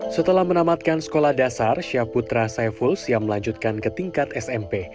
setelah menamatkan sekolah dasar syaputra saiful siap melanjutkan ke tingkat smp